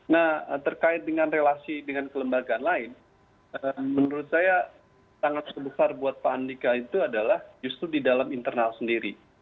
nah terkait dengan relasi dengan kelembagaan lain menurut saya sangat terbesar buat pak andika itu adalah justru di dalam internal sendiri